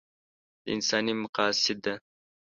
دا انساني مقاصد ده.